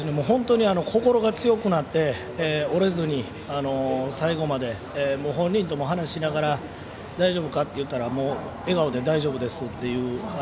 本当に心が強くなって折れずに最後まで、本人とも話をしながら大丈夫か？って言ったら笑顔で大丈夫です！って。